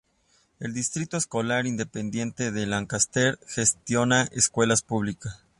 El Distrito Escolar Independiente de Lancaster gestiona escuelas públicas.